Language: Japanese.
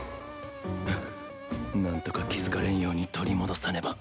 ん何とか気付かれんように取り戻さねば